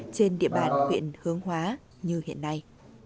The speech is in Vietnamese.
trên địa bản huyện hương hóa như hiện nay